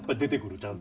ちゃんと。